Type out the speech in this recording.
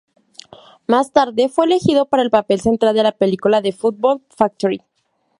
Más tarde fue elegido para el papel central de la película "The Football Factory".